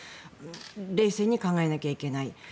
冷静に考えなきゃいけない。